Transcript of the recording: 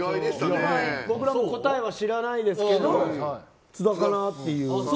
僕らも答えは知らないですけど津田かなって。